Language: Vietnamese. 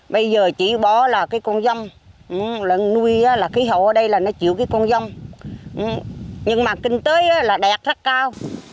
bây giờ chỉ bỏ là con rông nuôi là khí hậu ở đây là nó chịu con rông nhưng mà kinh tế là đạt rất cao